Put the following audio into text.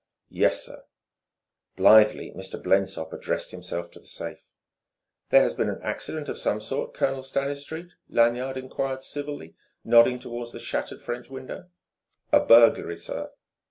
"Yes, sir." Blithely Mr. Blensop addressed himself to the safe. "There has been an accident of some sort, Colonel Stanistreet?" Lanyard enquired civilly, nodding toward the shattered French window. "A burglary, sir."